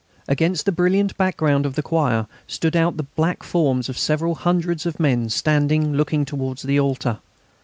Against the brilliant background of the choir stood out the black forms of several hundreds of men standing and looking towards the altar.